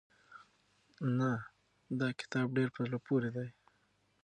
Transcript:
نه دا کتاب ډېر په زړه پورې دی.